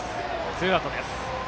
ツーアウトです。